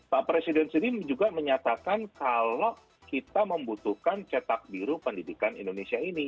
pak presiden sendiri juga menyatakan kalau kita membutuhkan cetak biru pendidikan indonesia ini